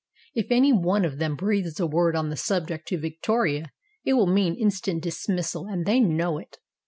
If any one of them breathes a word on the subject to Victoria it will mean instant dismissal, and they know it.